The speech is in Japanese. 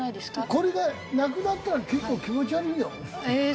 これがなくなったら結構気持ち悪いよ。ええー